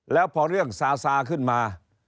แล้วพอเรื่องซาซาขึ้นมา